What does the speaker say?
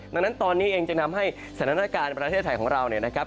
ดังนั้นตอนนี้เองจะทำให้สถานการณ์ประเทศไทยของเรา